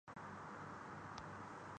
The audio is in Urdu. کہاں یہ خاک کے تودے تلے دبا ہوا جسم